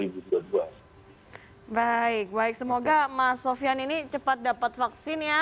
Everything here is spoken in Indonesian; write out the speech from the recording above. baik baik semoga mas sofian ini cepat dapat vaksin ya